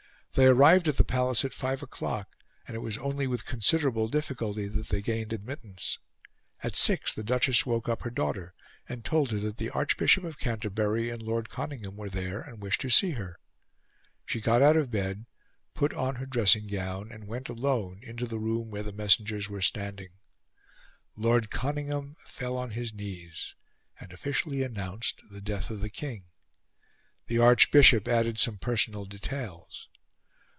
They arrived at the Palace at five o'clock, and it was only with considerable difficulty that they gained admittance. At six the Duchess woke up her daughter, and told her that the Archbishop of Canterbury and Lord Conyngham were there, and wished to see her. She got out of bed, put on her dressing gown, and went, alone, into the room where the messengers were standing. Lord Conyngham fell on his knees, and officially announced the death of the King; the Archbishop added some personal details.